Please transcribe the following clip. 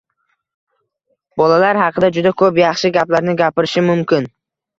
— Bolalar haqida juda koʻp yaxshi gaplarni gapirishim mumkin.